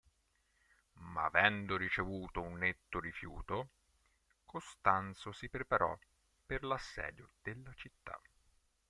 Ma avendo ricevuto un netto rifiuto, Costanzo si preparò per l'assedio della città.